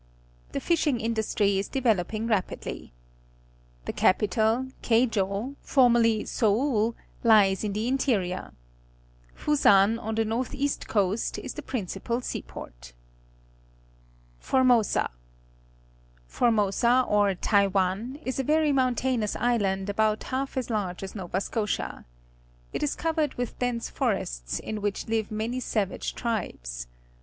The J]~;hing industry is developing rapidly. The capital, Keij p, formerly Seoul, lies in the interior. EjiME^ on the south east coast, is the principal seaport. 222 PUBLIC SCHOOL GEOGRAPHY Formosa. — Formosa, or Tanvan, is a very mountainous island about half as lar^e as Nova Scotia. It is covered with dense forests, in which Uve many savage tribes.